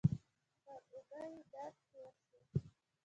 پر اوږه یې درد تېر شو.